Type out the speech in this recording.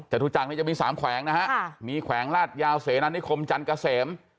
จตุจักรนี้จะมี๓แขวงนะฮะเป็นอย่างมีแขวงราษยาวเสนานิคมจันกเศส